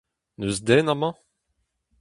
N'eus den amañ ?